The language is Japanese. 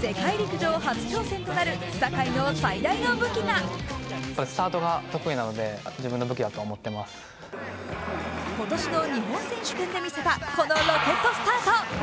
世界陸上初挑戦となる坂井の最大の武器が今年の日本選手権で見せたこのロケットスタート。